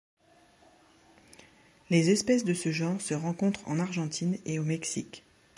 Les espèces de ce genre se rencontrent en Argentine et au Mexique.